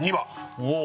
おお